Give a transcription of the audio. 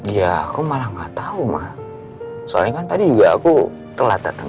ya aku malah gak tau ma soalnya kan tadi juga aku telat datang